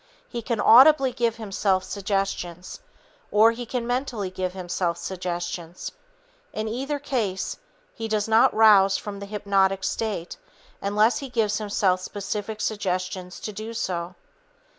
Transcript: He can audibly give himself suggestions, or he can mentally give himself suggestions. In either case, he does not rouse from the hypnotic state until he gives himself specific suggestions to do so.